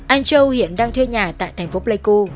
anh châu hiện đang thuê nhà tại thành phố pleiku